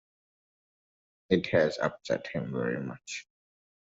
It has upset him very much.